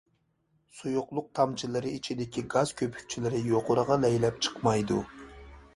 سۇيۇقلۇق تامچىلىرى ئىچىدىكى گاز كۆپۈكچىلىرى يۇقىرىغا لەيلەپ چىقمايدۇ.